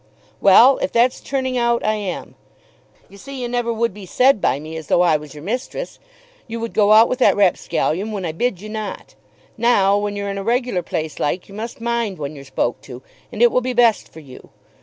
"Well; if that's turning out, I am. You see you never would be said by me as though I was mistress. You would go out with that rapscallion when I bid you not. Now when you're in a regular place like, you must mind when you're spoke to, and it will be best for you.